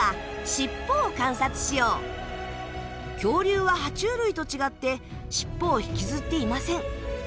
恐竜はは虫類と違って尻尾を引きずっていません。